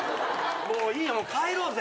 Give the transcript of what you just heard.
もういいよ帰ろうぜ。